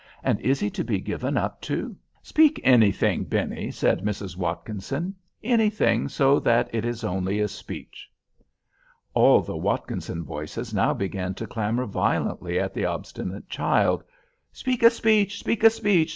"And is he to be given up to?" "Speak anything, Benny," said Mrs. Watkinson, "anything so that it is only a speech." All the Watkinson voices now began to clamor violently at the obstinate child—"Speak a speech! speak a speech!